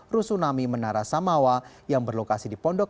rusunami menara samawa yang berlokasi di pondok